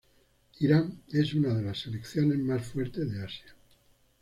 Irán es una de las selecciones más fuertes de Asia.